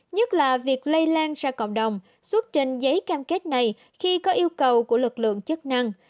nhất là việc lây lan ra cộng đồng xuất trên giấy cam kết này khi có yêu cầu của lực lượng chức năng